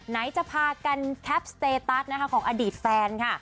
ไหนจะพากันแคปสเตตัสนะคะของอดีตแฟนค่ะ